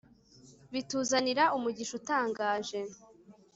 bituzanira umugisha utangaje